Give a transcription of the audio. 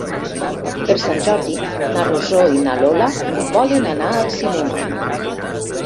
Per Sant Jordi na Rosó i na Lola volen anar al cinema.